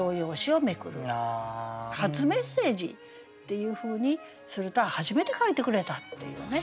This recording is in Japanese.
「初メッセージ」っていうふうにすると初めて書いてくれたっていうね